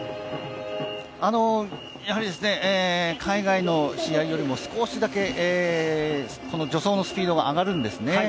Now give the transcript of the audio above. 海外の試合よりも少しだけ助走のスピードが上がるんですね。